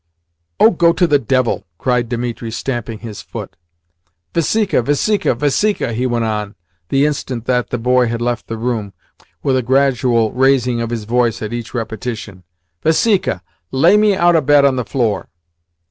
"Oh, go to the devil!" cried Dimitri, stamping his foot. "Vasika, Vasika, Vasika!" he went on, the instant that the boy had left the room, with a gradual raising of his voice at each repetition. "Vasika, lay me out a bed on the floor."